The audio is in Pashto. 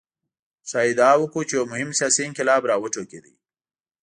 ښايي ادعا وکړو چې یو مهم سیاسي انقلاب راوټوکېد.